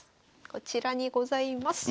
こちらにございます。